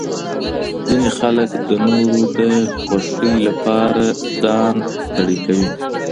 ځینې خلک د نورو د خوښۍ لپاره ځان ستړی کوي.